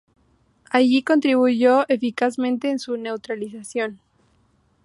Allí contribuyó eficazmente en su neutralización.